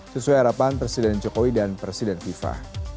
sesuai harapan presiden jokowi dan presiden fifa